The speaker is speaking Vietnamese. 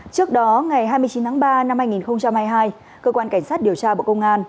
trước đó ngày hai mươi chín tháng ba năm hai nghìn hai mươi hai cơ quan cảnh sát điều tra bộ công an